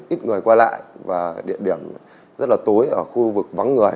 ít người qua lại và địa điểm rất là tối ở khu vực vắng người